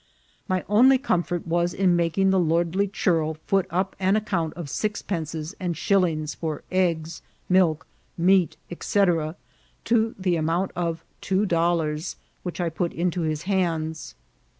My only comfort was in making the lordly churl foot up an account of sixpences and shillings for eggs, milk, meat, &c., to the amount of two dollars, which I put into his hands.